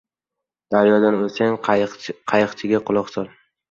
• Daryodan o‘tsang qayiqchiga quloq sol.